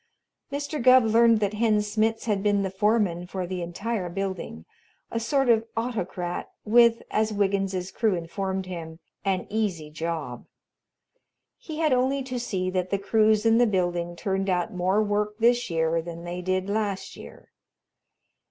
Mr. Gubb learned that Hen Smitz had been the foreman for the entire building a sort of autocrat with, as Wiggins's crew informed him, an easy job. He had only to see that the crews in the building turned out more work this year than they did last year.